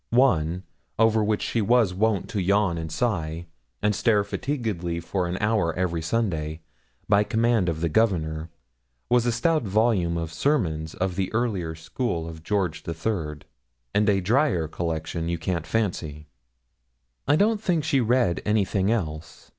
One, over which she was wont to yawn and sigh, and stare fatiguedly for an hour every Sunday, by command of the Governor, was a stout volume of sermons of the earlier school of George III., and a drier collection you can't fancy. I don't think she read anything else.